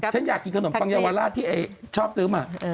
ฉันอยากกินขนมปรังยวาระที่ไอ้ชอบซื้อมา